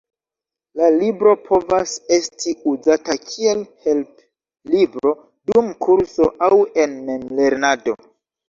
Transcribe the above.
La libro povas esti uzata kiel helplibro dum kurso, aŭ en memlernado.